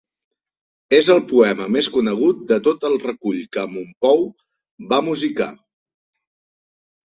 És el poema més conegut de tot el recull que Mompou va musicar.